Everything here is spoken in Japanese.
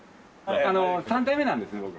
３代目なんです僕。